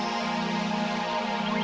sampai jumpa lagi